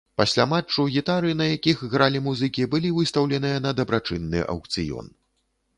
Пасля матчу гітары, на якіх гралі музыкі, былі выстаўленыя на дабрачынны аўкцыён.